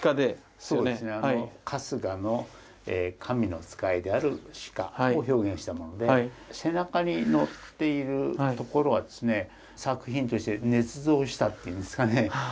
春日の神の使いである鹿を表現したもので背中にのっているところはですね作品として捏造したっていうんですかね。